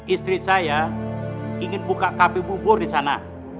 istri saya ingin buka kapi bubur di sana